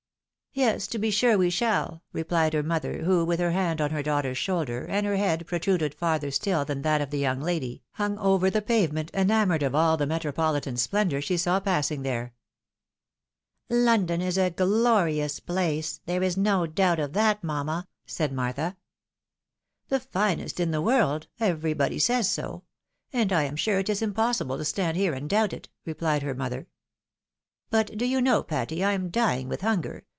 Yes, to be sure we shall," replied her mother, who, with her hand on her daughter's shoulder, and her head protruded farther still than that of the young lady, hung over the pave ment, enamoured of all the metropolitan splendour she saw passing there. " London is a glorious place ; there is no doubt of that, mamma," said Martha. " The finest in the world — everybody says so ; and I am sure it is impossible to stand here and doubt it," replied her mother. " But do you know, Patty, I am dying with hunger.